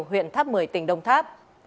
huyện tháp một mươi tỉnh đồng tháp